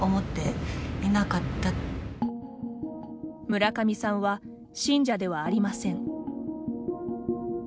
村上さんは信者ではありません。